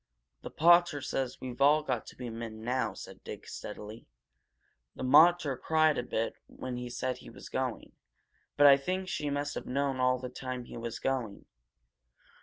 "The pater says we've all got to be men, now," said Dick, steadily. "The mater cried a bit when he said he was going but I think she must have known all the time he was going.